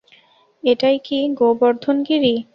এটাই কি গোবর্ধন গিরি?